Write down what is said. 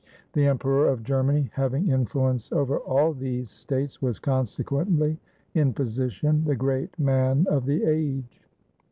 The Em peror of Germany having influence over all these states, was consequently, in position, the great man of the age.